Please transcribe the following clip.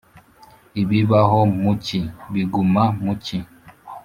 ibibaho mu cyi, biguma mu cyi.